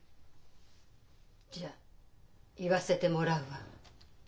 じゃあ言わせてもらうわ。